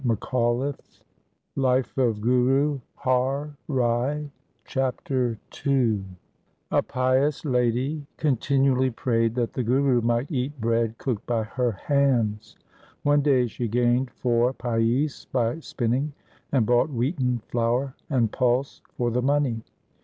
2 8o THE SIKH RELIGION Chapter II A pious lady continually prayed that the Guru might eat bread cooked by her hands. One day she gained four paise by spinning, and bought wheaten flour and pulse for the money.